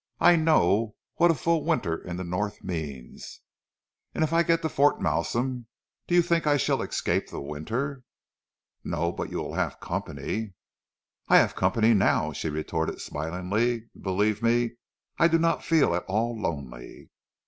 "I know what a full winter in the North means." "And if I get to Fort Malsun, do you think I shall escape the winter?" "No, but you will have company." "I have company now," she retorted smilingly, "and believe me I do not feel at all lonely."